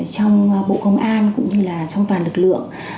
trong bộ công an cũng như là trong toàn lực lượng